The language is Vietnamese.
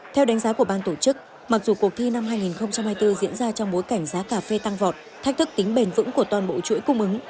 theo đánh giá của ban tổ chức mặc dù cuộc thi năm hai nghìn hai mươi bốn diễn ra trong bối cảnh giá cà phê tăng vọt thách thức tính bền vững của toàn bộ chuỗi cung ứng